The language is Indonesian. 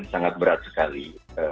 sangat berat sekali